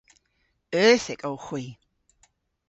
Euthyk owgh hwi.